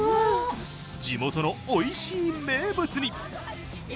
地元のおいしい名物に。